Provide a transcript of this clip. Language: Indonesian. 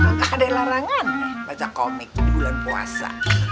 maka ada yang larangan baca komik di bulan puasa